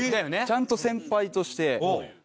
ちゃんと先輩として。